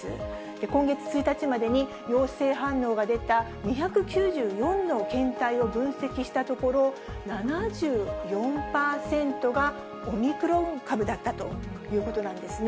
今月１日までに陽性反応が出た２９４の検体を分析したところ、７４％がオミクロン株だったということなんですね。